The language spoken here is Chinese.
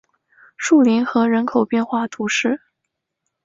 树林河人口变化图示